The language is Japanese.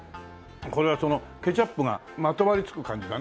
これはケチャップがまとわりつく感じだね